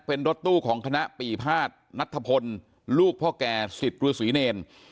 เป็นรถตู้ของคณะปีภาษณ์นัทธพลลูกพ่อแก่สิทธิ์กรูสุริเนน